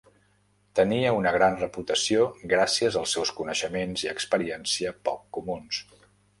Tenia una gran reputació gràcies als seus coneixements i experiència poc comuns.